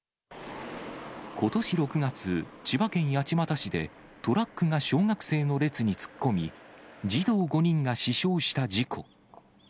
ことし６月、千葉県八街市で、トラックが小学生の列に突っ込み、児童５人が死傷した事故。